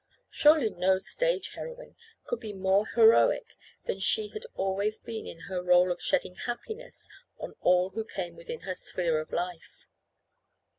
Surely no stage heroine could be more heroic than she had always been in her role of shedding happiness on all who came within her sphere of life.